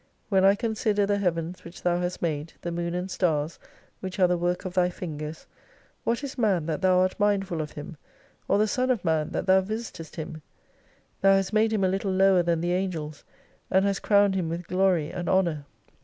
When I consider the Heavens which Thou hast made, the moon and stars, wliich are the work of Thy fingers, what is man that Thou art mindfid of him, or the Son of man that Thou visitest hijn ? Thou hast made him a little lower than the Angels, and hast crowned him with glory and honour.